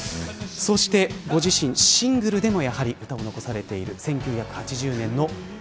そしてご自身、シングルでも歌を残されています。